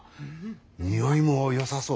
匂いもよさそう。